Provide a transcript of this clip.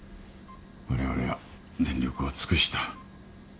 我々は全力を尽くした。